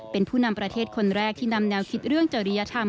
เป็นผู้นำประเทศคนแรกที่นำแนวคิดเรื่องจริยธรรม